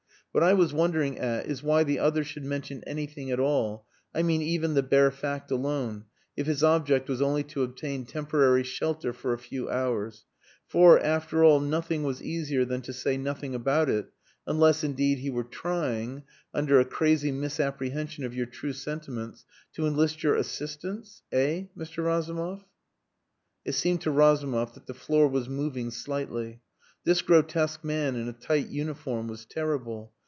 What I was wondering at is why the other should mention anything at all I mean even the bare fact alone if his object was only to obtain temporary shelter for a few hours. For, after all, nothing was easier than to say nothing about it unless, indeed, he were trying, under a crazy misapprehension of your true sentiments, to enlist your assistance eh, Mr. Razumov?" It seemed to Razumov that the floor was moving slightly. This grotesque man in a tight uniform was terrible.